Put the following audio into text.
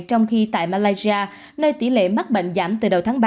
trong khi tại malaysia nơi tỷ lệ mắc bệnh giảm từ đầu tháng ba